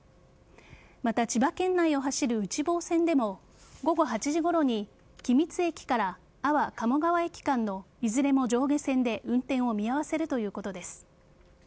また、千葉県内を走る内房線でも午後８時ごろに君津駅安房鴨川駅間のいずれも上下線で運転を見合わせるということです。